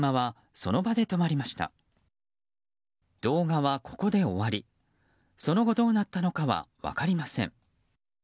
その後どうなったのかは分かりません。